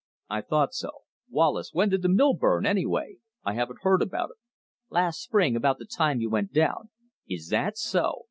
"I thought so. Wallace, when did their mill burn, anyway? I haven't heard about it." "Last spring, about the time you went down." "Is THAT so?